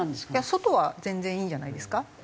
外は全然いいんじゃないですか。